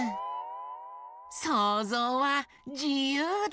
そうぞうはじゆうだ！